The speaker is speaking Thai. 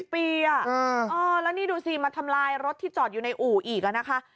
แล้วนี่ดูสิมาทำลายรถที่จอดอยู่ในอู่อีกนะคะ